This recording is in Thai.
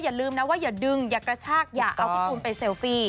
อย่าลืมนะว่าอย่าดึงอย่ากระชากอย่าเอาพี่ตูนไปเซลฟี่